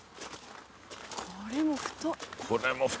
これも太。